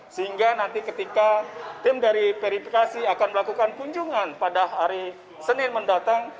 sehingga nanti ketika tim dari verifikasi akan melakukan kunjungan pada hari senin mendatang